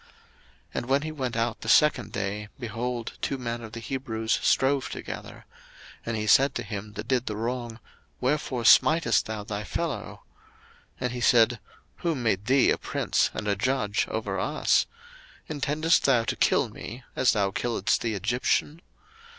02:002:013 And when he went out the second day, behold, two men of the Hebrews strove together: and he said to him that did the wrong, Wherefore smitest thou thy fellow? 02:002:014 And he said, Who made thee a prince and a judge over us? intendest thou to kill me, as thou killedst the Egyptian?